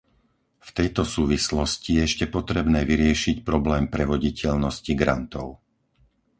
V tejto súvislosti je ešte potrebné vyriešiť problém prevoditeľnosti grantov.